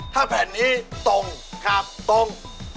ถ้าแผ่นนี้ตรงตรง